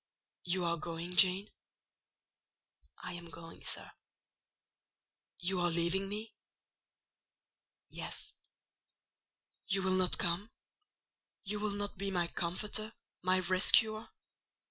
"You are going, Jane?" "I am going, sir." "You are leaving me?" "Yes." "You will not come? You will not be my comforter, my rescuer?